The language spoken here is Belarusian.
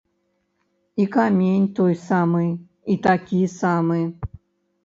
І камень той самы і такі самы.